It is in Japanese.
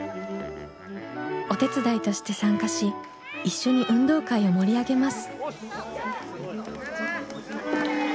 お手伝いとして参加し一緒に運動会を盛り上げます。